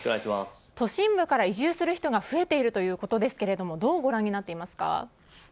都心部から移住する人が増えているということですかどうご覧になっていますか。